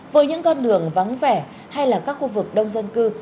với những con đường vắng vẻ hay là các khu vực đông dân cư